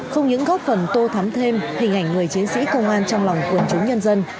không những góp phần tô thắm thêm hình ảnh người chiến sĩ công an trong lòng quân chúng nhân dân